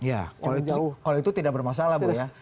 ya kalau itu tidak bermasalah bu ya